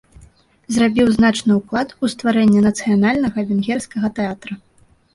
Зрабіў значны ўклад у стварэнне нацыянальнага венгерскага тэатра.